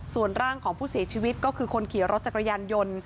ส่วนร่างของผู้เสียชีวิตก็คือคนขี่รถจักรยานยนต์